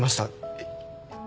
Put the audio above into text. えっ。